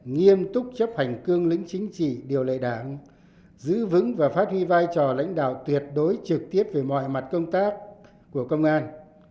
nghiêm túc chấp hành cương lĩnh chính trị điều lệ đảng giữ vững và phát huy vai trò lãnh đạo tuyệt đối trực tiếp về mọi mặt công tác của công an